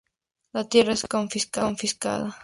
La tierra es confiscada.